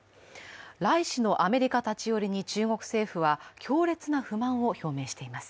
頼氏のアメリカ立ち寄りに中国政府は強烈な不満を表明しています。